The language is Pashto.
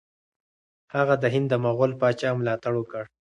هغه د هند د مغول پاچا ملاتړ وکړ.